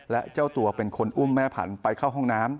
และเจ้าตัวเป็นคนอุ้มแม่ผันไปเข้าห้องน้ำ